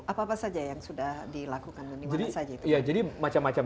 apa saja yang sudah dilakukan